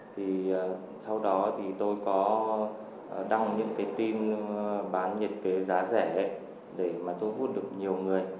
thì sau đó thì tôi có đăng những cái tin bán nhiệt kế giá rẻ để mà thu hút được nhiều người